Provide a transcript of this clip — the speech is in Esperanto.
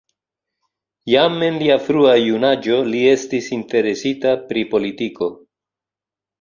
Jam en lia frua junaĝo li estis interesita pri politiko.